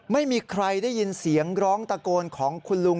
ไม่มีใครได้ยินเสียงร้องตะโกนของคุณลุง